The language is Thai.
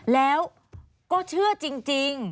แล้วก็เชื่อจริง